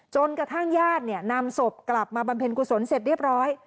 จนกระทั่งญาตินำศพกลับมาบำเพ็ญกุศลเสร็จเรียบร้อย